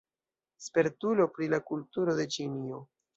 Spertulo pri la kulturo de Ĉinio.